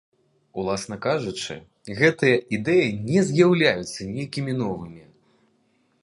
Уласна кажучы, гэтыя ідэі не з'яўляюцца нейкімі новымі.